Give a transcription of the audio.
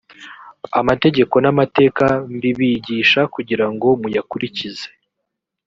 amategeko n’amateka mbibigisha kugira ngo muyakurikize.